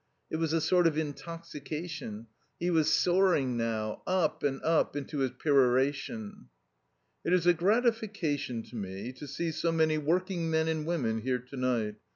It was a sort of intoxication. He was soaring now, up and up, into his peroration. "It is a gratification to me to see so many working men and women here to night.